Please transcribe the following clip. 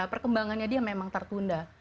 perkembangannya dia memang tertunda